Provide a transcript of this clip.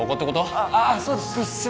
ああそうです